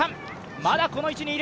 まだこの位置にいる。